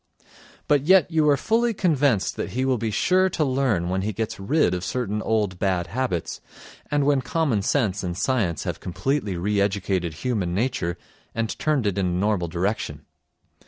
But yet you are fully convinced that he will be sure to learn when he gets rid of certain old bad habits, and when common sense and science have completely re educated human nature and turned it in a normal direction.